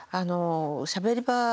「しゃべり場」